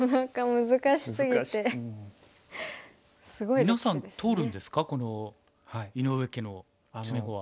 みなさん通るんですかこの井上家の詰碁は。